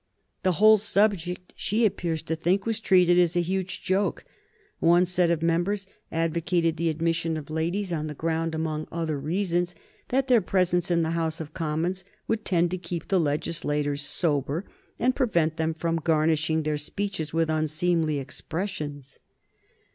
The whole subject, she appears to think, was treated as a huge joke. One set of members advocated the admission of ladies on the ground, among other reasons, that their presence in the House of Commons would tend to keep the legislators sober, and prevent them from garnishing their speeches with unseemly expressions.